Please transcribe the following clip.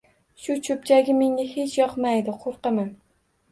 Shu cho‘pchagi menga hech yoqmaydi: qo‘rqaman.